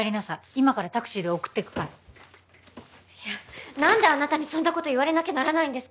今からタクシーで送ってくからいや何であなたにそんなこと言われなきゃならないんですか？